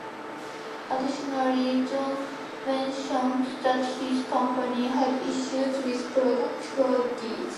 Additionally, John mentioned that his company had issues with product quality.